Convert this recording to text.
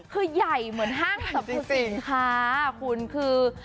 คือใหญ่เหมือนห้างสรรพสินค้าคุณคือ